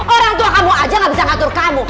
orang tua kamu aja gak bisa ngatur kamu